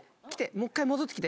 もう１回戻ってきて。